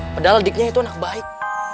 padahal adiknya itu anak baik